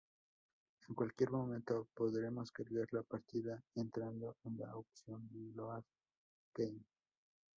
En cualquier momento podremos cargar la partida entrando en la opción Load Game.